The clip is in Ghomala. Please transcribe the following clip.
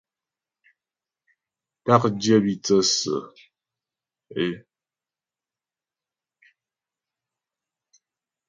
Ták dyə́ bî thə́sə ə.